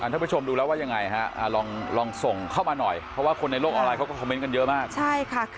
ท่านผู้ชมดูแล้วว่ายังไงฮะลองส่งเข้ามาหน่อยเพราะว่าคนในโลกออนไลเขาก็คอมเมนต์กันเยอะมาก